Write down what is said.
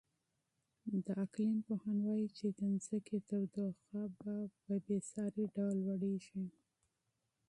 د اقلیم پوهان وایي چې د ځمکې تودوخه په بې ساري ډول لوړېږي.